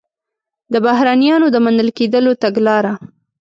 د بهرنیانو د منل کېدلو تګلاره